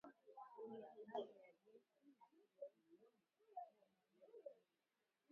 dhidi ya kambi za jeshi mashariki mwa nchi hiyo